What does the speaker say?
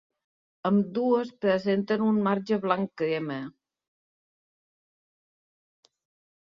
Ambdues presenten un marge blanc-crema.